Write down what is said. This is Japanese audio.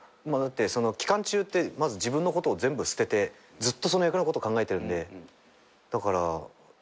だってその期間中ってまず自分のことを全部捨ててずっとその役のことを考えてるんでだから。